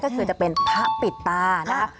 ก็คือจะเป็นพระปิดตานะคะ